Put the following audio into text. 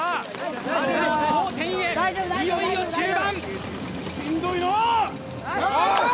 頂点へ、いよいよ終盤。